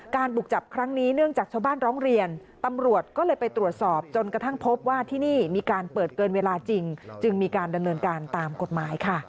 บุกจับครั้งนี้เนื่องจากชาวบ้านร้องเรียนตำรวจก็เลยไปตรวจสอบจนกระทั่งพบว่าที่นี่มีการเปิดเกินเวลาจริงจึงมีการดำเนินการตามกฎหมายค่ะ